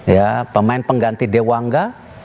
ya pemain pengganti dewanga